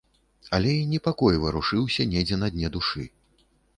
Але і непакой варушыўся недзе на дне душы.